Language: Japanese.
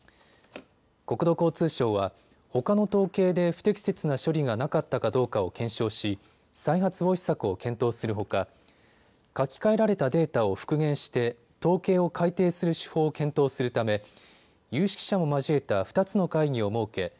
国土交通省は、ほかの統計で不適切な処理がなかったかどうかを検証し再発防止策を検討するほか書き換えられたデータを復元して統計を改定する手法を検討するため有識者も交えた２つの会議を設け